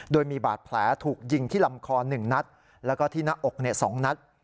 โดยมีบาดแผลถูกยิงที่ลำคอ๑นัดแล้วก็ที่หน้าอก๒นัด